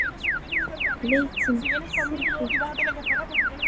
La yettneffis s lḥif.